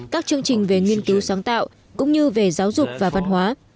các chương trình về nghiên cứu sáng tạo cũng như về giáo dục và văn hóa